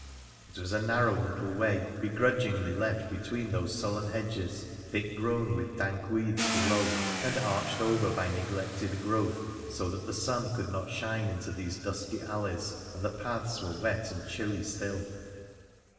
It was a narrow little way begrudgingly left between those sullen hedges, thick grown with dank weeds below, and arched over by neglected growth so that the sun could not shine into these dusky alleys, and the paths were wet and chilly still.